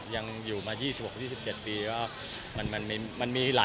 ยังอยู่มา๒๖๒๗ปี